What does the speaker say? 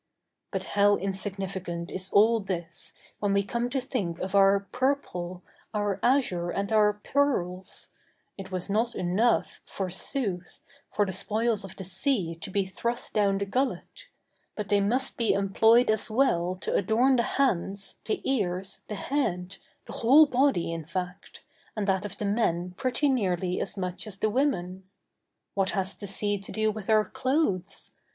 But how insignificant is all this when we come to think of our purple, our azure, and our pearls; it was not enough, forsooth, for the spoils of the sea to be thrust down the gullet—but they must be employed as well to adorn the hands, the ears, the head, the whole body, in fact, and that of the men pretty nearly as much as the women. What has the sea to do with our clothes?